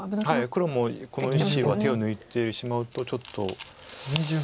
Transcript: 黒もこの石は手を抜いてしまうとちょっと。